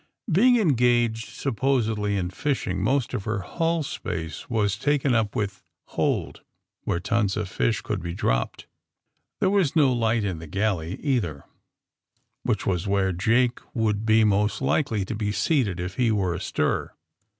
Being engaged, supposedly, in fishing, most of her hull space was taken up with hold, where tons of fish could be dropped. There was no light in the galley, either, which was where Jake would be most likely to be seated if he were astir.